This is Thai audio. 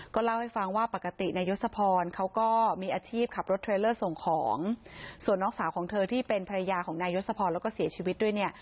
เล่าให้ฟังว่าปกตินายศพรเขาก็มีอาชีพขับรถเทรลเลอร์ส่งของส่วนน้องสาวของเธอที่เป็นภรรยาของนายยศพรแล้วก็เสียชีวิตด้วยเนี่ย